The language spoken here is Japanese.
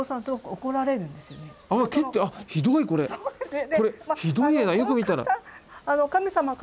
これひどい絵だよく見たら。